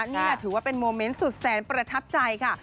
นี่แหละถือว่าเป็นโมเมนต์สุดแสนประทับใจค่ะ